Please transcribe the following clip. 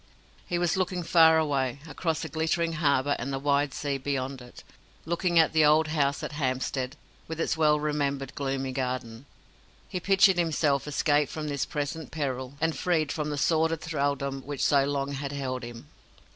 He was looking far away across the glittering harbour and the wide sea beyond it looking at the old house at Hampstead, with its well remembered gloomy garden. He pictured himself escaped from this present peril, and freed from the sordid thraldom which so long had held him.